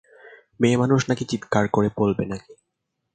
মেয়েমানুষ চিৎকার করে বলবে নাকি?